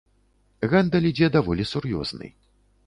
Гандаль ідзе даволі сур'ёзны.